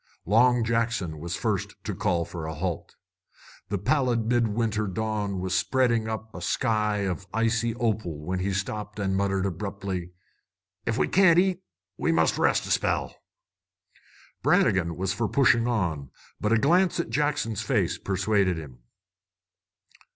Long Jackson was first to call for a halt. The pallid midwinter dawn was spreading up a sky of icy opal when he stopped and muttered abruptly "If we can't eat, we must rest a spell." Brannigan was for pushing on, but a glance at Jackson's face persuaded him.